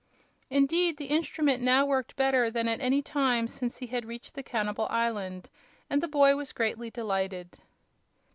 Indeed, the instrument now worked better than at any time since he had reached the cannibal island, and the boy was greatly delighted.